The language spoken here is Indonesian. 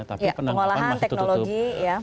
tapi penangkapan masih tutup